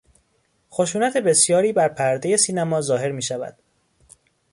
خشونت بسیاری بر پردهی سینما ظاهر میشود.